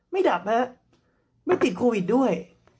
ไม่ดับแล้วไม่ติดโควิดด้วย